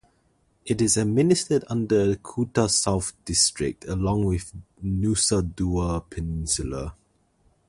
It is administered under Kuta South District along with Nusa Dua peninsula.